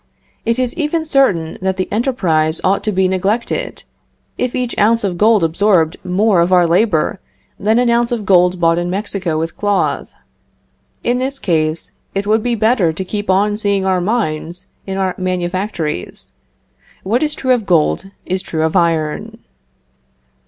It is even certain that the enterprise ought to be neglected, if each ounce of gold absorbed more of our labor than an ounce of gold bought in Mexico with cloth. In this case, it would be better to keep on seeing our mines in our manufactories. What is true of gold is true of iron.